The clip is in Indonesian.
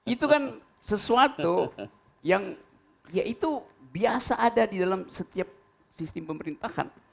itu kan sesuatu yang ya itu biasa ada di dalam setiap sistem pemerintahan